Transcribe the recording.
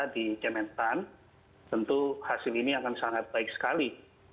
di kementan tentu hasil ini akan sangat baik sekali